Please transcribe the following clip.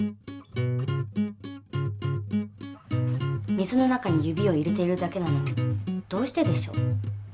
水の中に指を入れてるだけなのにどうしてでしょう？